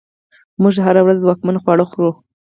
موږ هره ورځ ځواکمن خواړه خورو.